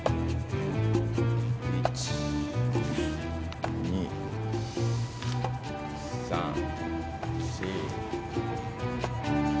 １２３４。